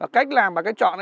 cách làm và cách chọn